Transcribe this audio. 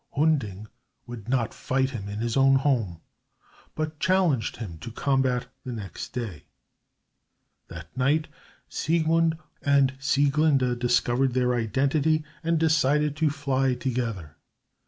Hunding would not fight him in his own home, but challenged him to combat the next day. That night Siegmund and Sieglinde discovered their identity, and decided to fly together.